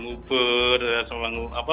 kemudian untuk membangun kelambu ya